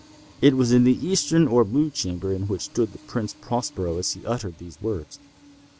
It was in the eastern or blue chamber in which stood the Prince Prospero as he uttered these words.